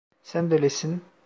Sen delisin.